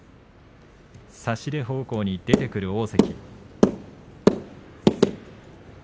差し手方向に出てくる大関。